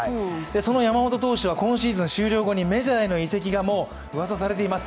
その山本投手が今シーズン終了後にメジャーへの移籍がもう、うわさされています。